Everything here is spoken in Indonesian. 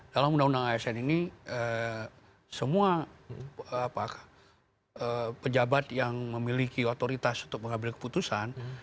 dalam undang undang asn ini semua pejabat yang memiliki otoritas untuk mengambil keputusan